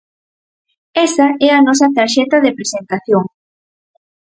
Esa é a nosa tarxeta de presentación.